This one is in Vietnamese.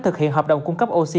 thực hiện hợp đồng cung cấp oxy